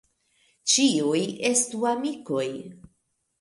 Ĉiuj estu amikoj.